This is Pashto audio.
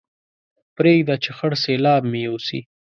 پرېږده چې خړ سېلاو مې يوسي